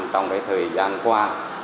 trong cái thời gian qua